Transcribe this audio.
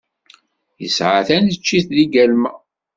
Yesɛa taneččit deg Galma.